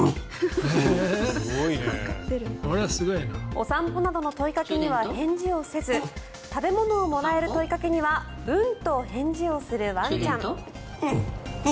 お散歩などの問いかけには返事をせず食べ物をもらえる問いかけにはうんと返事をするワンちゃん。